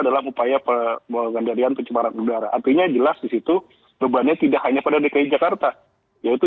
dalam upaya memulakan dari allah